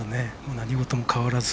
何事も変わらず。